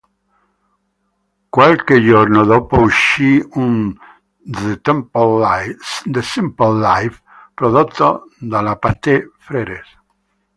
Qualche giorno dopo, uscì un "The Simple Life" prodotto dalla Pathé Frères.